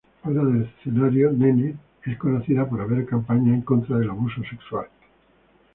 Fuera del escenario, NeNe es conocida por hacer campañas en contra del abuso sexual.